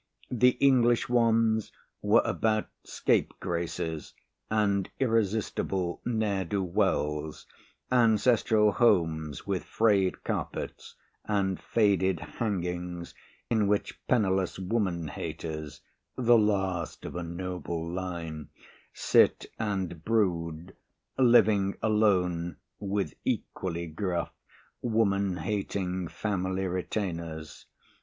The English ones were about scapegraces and irresistible ne'er do wells, ancestral homes with frayed carpets and faded hangings in which penniless woman haters (the last of a noble line) sit and brood, living alone with equally gruff, woman hating family retainers.